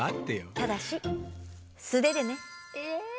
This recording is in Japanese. ただし素手でね。